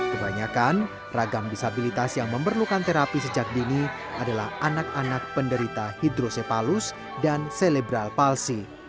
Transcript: kebanyakan ragam disabilitas yang memerlukan terapi sejak dini adalah anak anak penderita hidrosepalus dan selebral palsi